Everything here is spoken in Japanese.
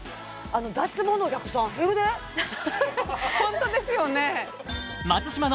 脱毛のお客さん減るでホントですよね